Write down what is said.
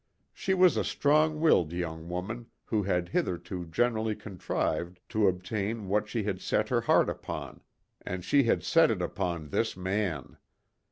She was a strong willed young woman who had hitherto generally contrived to obtain what she had set her heart upon, and she had set it upon this man.